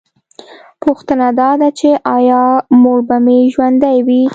پوښتنه دا ده چې ایا مور به مې ژوندۍ وي